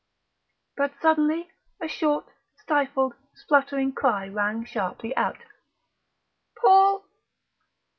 But suddenly a short, stifled, spluttering cry rang sharply out: "_Paul!